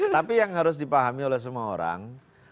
tapi yang harus dipahami oleh semua orang